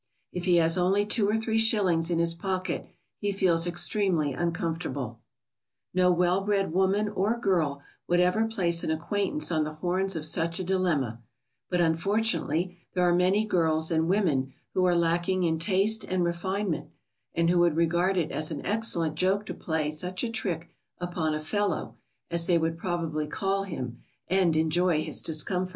If he has only two or three shillings in his pocket, he feels extremely uncomfortable. [Sidenote: No well bred woman would make the request.] No well bred woman or girl would ever place an acquaintance on the horns of such a dilemma. But unfortunately there are many girls and women who are lacking in taste and refinement, and who would regard it as an excellent joke to play such a trick upon a "fellow," as they would probably call him, and enjoy his discomfort.